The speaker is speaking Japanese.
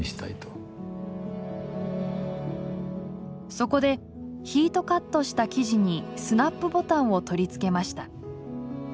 そこでヒートカットした生地にスナップボタンを取り付けました。